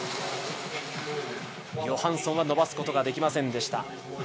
ヨハンソンは伸ばすことができませんでした。